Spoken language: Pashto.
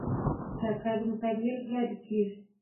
دا کار د مطالعې له لارې کیږي.